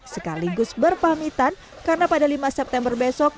sekaligus berpamitan karena pada lima september besok